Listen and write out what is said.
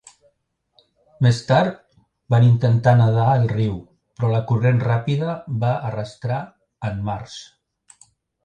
Més tard van intentar nedar el riu, però la corrent ràpida va arrastrar en Marsh.